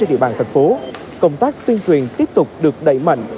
hậu cần công an thành phố công tác tuyên truyền tiếp tục được đẩy mạnh